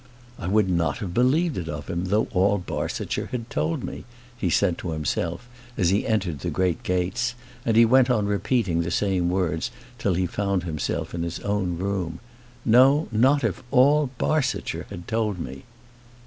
"I would not have believed it of him, though all Barsetshire had told me," he said to himself as he entered the great gates; and he went on repeating the same words till he found himself in his own room. "No, not if all Barsetshire had told me!"